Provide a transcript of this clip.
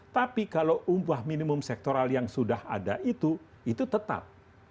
tapi kalau upah minimum sektoral yang sudah ada itu itu tetap